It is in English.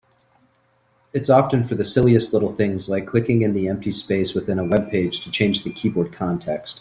It's often for the silliest little things, like clicking in the empty space within a webpage to change the keyboard context.